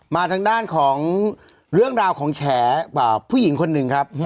มาทางด้านของเรื่องราวของแฉผู้หญิงคนหนึ่งครับ